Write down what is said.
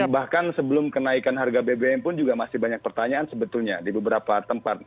bahkan sebelum kenaikan harga bbm pun juga masih banyak pertanyaan sebetulnya di beberapa tempat